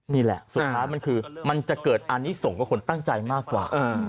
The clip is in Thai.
นี่แหละสุดท้ายมันคือมันจะเกิดอันนี้ส่งกับคนตั้งใจมากกว่า